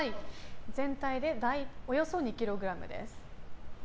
全体で、およそ２ｋｇです。